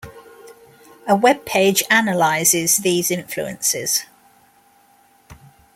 A web page analyses these influences.